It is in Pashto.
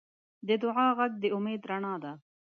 د دعا غږ د امید رڼا ده.